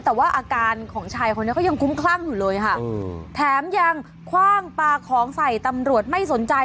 แต่ว่าอาการของชายคนนี้ก็ยังคุ้มคลั่งอยู่เลยค่ะแถมยังคว่างปลาของใส่ตำรวจไม่สนใจ